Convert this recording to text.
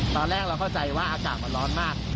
ตอนแรกเราเข้าใจว่าอากาศมันร้อนมาก